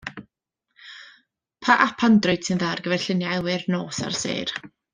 Pa ap Android sy'n dda ar gyfer lluniau awyr nos a'r sêr?